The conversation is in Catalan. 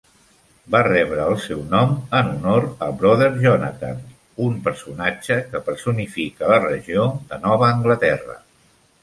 Va rebre el seu nom en honor a Brother Jonathan, un personatge que personifica la regió de Nova Anglaterra.